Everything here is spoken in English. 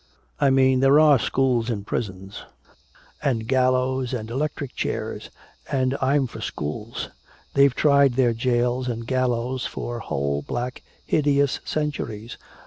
"I mean there are schools and prisons! And gallows and electric chairs! And I'm for schools! They've tried their jails and gallows for whole black hideous centuries!